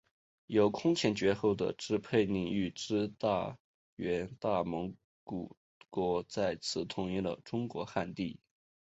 有空前绝后的支配领域之大元大蒙古国再次统一了中国汉地。